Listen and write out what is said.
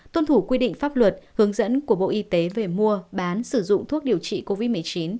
tuân thủ quy định pháp luật hướng dẫn của bộ y tế về mua bán sử dụng thuốc điều trị covid một mươi chín